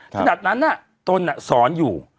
ถ้าดัดนั้นน่ะตนน่ะสอนอยู่